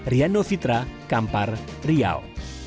riano fitra kampar riau